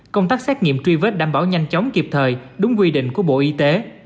công tác xét nghiệm truy vết đảm bảo nhanh chóng kịp thời đúng quy định của bộ y tế